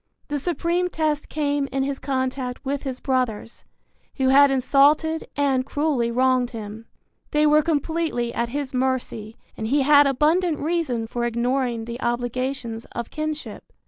The supreme test came in his contact with his brothers, who had insulted and cruelly wronged him. They were completely at his mercy and he had abundant reason for ignoring the obligations of kinship.